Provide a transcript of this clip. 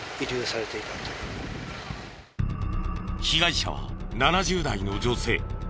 被害者は７０代の女性。